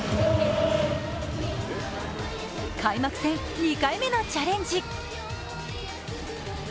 開幕戦２回目のチャレンジ。